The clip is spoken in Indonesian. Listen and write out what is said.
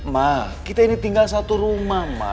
ma kita ini tinggal satu rumah ma